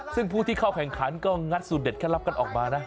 ซึ่งผู้ที่เข้าแข่งขันก็งัดสูตรเด็ดเคล็ดลับกันออกมานะ